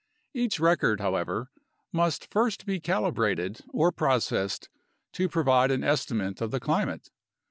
Each record, however, must first be calibrated or processed to provide an estimate of the climate.